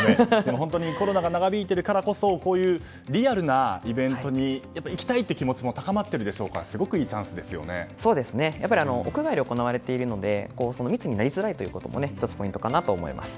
コロナが長引いているからこそこういうリアルなイベントに行きたい！って気持ちも高まっているでしょうから屋外で行われているので密になりづらいというのもポイントの１つだと思います。